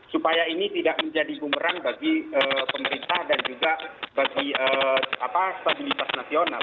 supaya ini tidak menjadi bumerang bagi pemerintah dan juga bagi stabilitas nasional